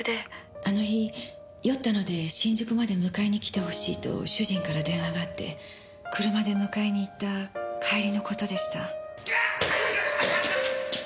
あの日酔ったので新宿まで迎えに来てほしいと主人から電話があって車で迎えに行った帰りの事でした。